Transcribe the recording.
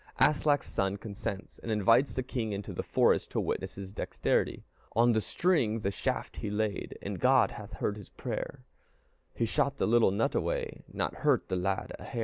Aslak's son consents, and invites the king into the forest to witness his dexterity. "On the string the shaft he laid, And God hath heard his prayer; He shot the little nut away, Nor hurt the lad a hair."